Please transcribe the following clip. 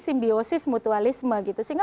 simbiosis mutualisme sehingga